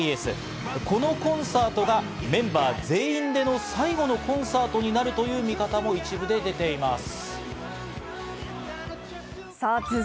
このコンサートがメンバー全員での最後のコンサートになるという見方も一部で出ています。